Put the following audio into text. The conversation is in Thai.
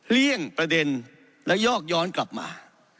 เลี่ยงประเด็นและยอกย้อนกลับมา